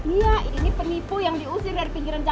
iya ini penipu yang diusir dari pijaknya